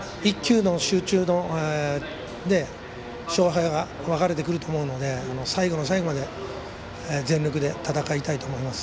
１球の集中で勝敗は分かれてくると思うので最後の最後まで全力で戦いたいと思います。